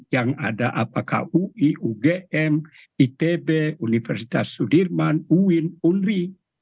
yang ada apakah ui ugm itb universitas sudirman uin unri